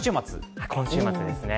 今週末ですね。